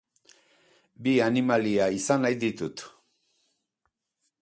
Bi animalia izan nahi ditut.